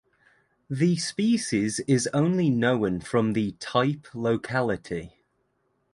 The species is only known from the type locality.